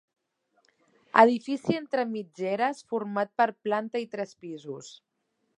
Edifici entre mitgeres format per planta i tres pisos.